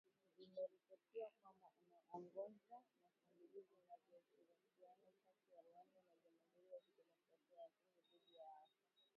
vimeripoti kwamba anaongoza mashambulizi mapya, ushirikiano kati ya Rwanda na Jamuhuri ya Kidemokrasia ya Kongo dhidi ya waasi